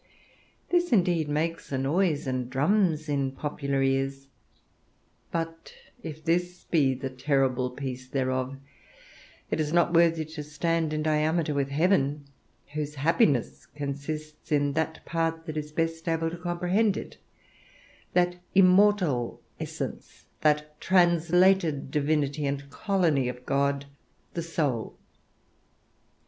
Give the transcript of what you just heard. This indeed makes a noise, and drums in popular ears: but if this be the terrible piece thereof, it is not worthy to stand in diameter with heaven, whose happiness consists in that part that is best able to comprehend it that immortal essence, that translated divinity and colony of God, the soul.